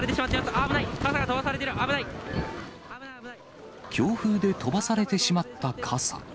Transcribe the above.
危ない、強風で飛ばされてしまった傘。